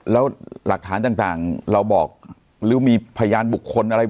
แล้วหลักฐานต่างเราบอกหรือมีพยานบุคคลอะไร